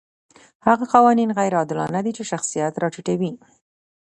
هغه قوانین غیر عادلانه دي چې شخصیت راټیټوي.